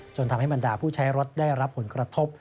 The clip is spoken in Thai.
จนทำให้บรรดาผู้ใช้รถได้รับผลกระทบ